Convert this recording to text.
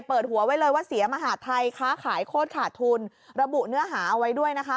เปิดหัวไว้เลยว่าเสียมหาธัยค้าขายโคตรขาดทุนระบุเนื้อหาเอาไว้ด้วยนะคะ